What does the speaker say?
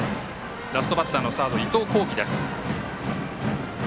ラストバッター、サードの伊藤光輝です。